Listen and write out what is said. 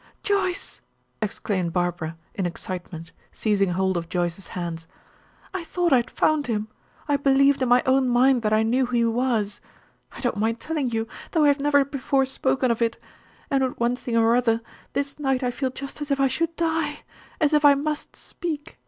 "Joyce!" exclaimed Barbara, in excitement, seizing hold of Joyce's hands, "I thought I had found him; I believed in my own mind that I knew who he was. I don't mind telling you, though I have never before spoken of it; and with one thing or other, this night I feel just as if I should die as if I must speak.